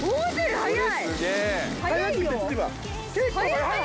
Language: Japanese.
速い！